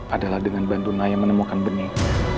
adalah dengan bantu naya menemukan bening